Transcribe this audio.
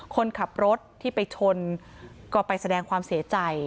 คนขับรถที่ไปชนก็ไปแสดงความเสียใจ